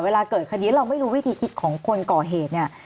เวลาเกิดคดีเราไม่รู้วิธีคิดของคนก่อเหตุเนี่ย